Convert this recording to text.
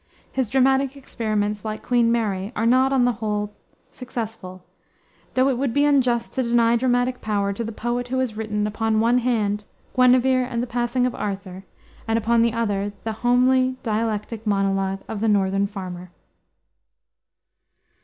His dramatic experiments, like Queen Mary, are not, on the whole, successful, though it would be unjust to deny dramatic power to the poet who has written, upon one hand, Guinevere and the Passing of Arthur, and upon the other the homely, dialectic monologue of the Northern Farmer.